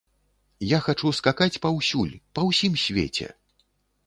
Я хачу скакаць паўсюль, па ўсім свеце.